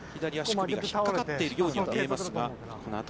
ひっかかっているように見えますが。